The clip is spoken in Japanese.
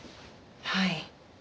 はい。